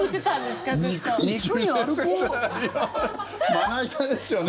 まな板ですよね。